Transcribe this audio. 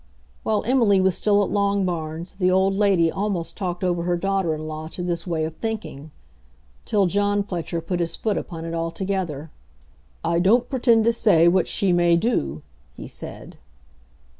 While Emily was still at Longbarns the old lady almost talked over her daughter in law to this way of thinking, till John Fletcher put his foot upon it altogether. "I don't pretend to say what she may do," he said.